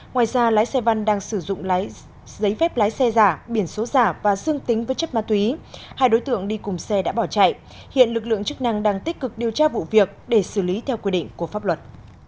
ngoài ra lái xe văn đang sử dụng giấy phép lái xe giả biển số giả và dương tính với chất ma túy hai đối tượng đi cùng xe đã bỏ chạy hiện lực lượng chức năng đang tích cực điều tra vụ việc để xử lý theo quy định của pháp luật